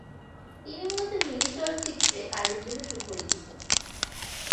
তিনি মূলত হিন্দি চলচ্চিত্রে কাজের জন্য সুপরিচিত।